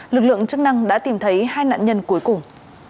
lực lượng chức năng đã tìm thấy hai nạn nhân cuối cùng